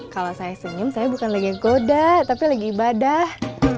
kalau saya senyum saya bukan lagi goda tapi lagi ibadah